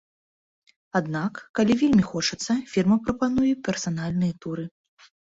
Аднак, калі вельмі хочацца, фірма прапануе персанальныя туры.